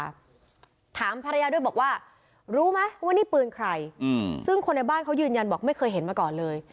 ถามภรรยาด้วยบอกว่ารู้ไหมว่านี่ปืนใครอืมซึ่งคนในบ้านเขายืนยันบอกไม่เคยเห็นมาก่อนเลย